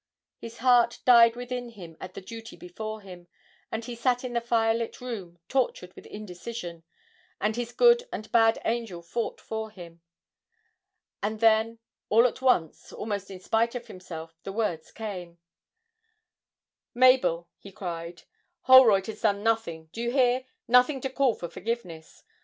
His heart died within him at the duty before him, and he sat in the firelit room, tortured with indecision, and his good and bad angel fought for him. And then, all at once, almost in spite of himself, the words came: 'Mabel,' he cried, 'Holroyd has done nothing do you hear? nothing to call for forgiveness